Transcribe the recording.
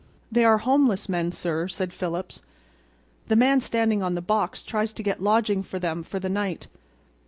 "They are homeless men, sir," said Phillips. "The man standing on the box tries to get lodging for them for the night.